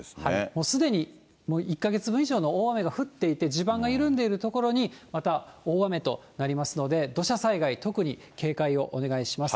もうすでに１か月分以上の大雨が降っていて、地盤が緩んでいるところに、また大雨となりますので、土砂災害、特に警戒をお願いします。